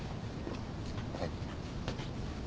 はい。